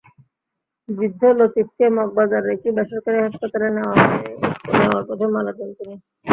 বৃদ্ধ লতিফকে মগবাজারের একটি বেসরকারি হাসপাতালে নেওয়ার পথে মারা যান তিনি।